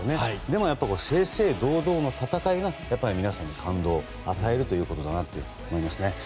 でもやっぱり正々堂々の戦いが皆さんに感動を与えることだなと思いました。